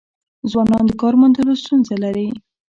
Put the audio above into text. ځوانان د کار موندلو ستونزه لري.